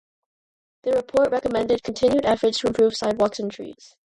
The report recommended continued efforts to improve sidewalks and trees.